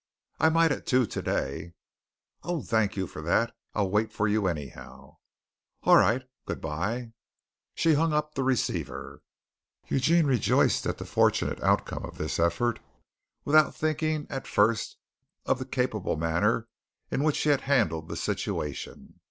"I might at two today." "Oh, thank you for that. I'll wait for you, anyhow." "All right. Good bye." And she hung up the receiver. Eugene rejoiced at the fortunate outcome of this effort without thinking at first of the capable manner in which she had handled the situation.